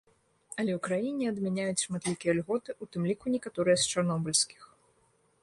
Але ў краіне адмяняюць шматлікія льготы, у тым ліку некаторыя з чарнобыльскіх.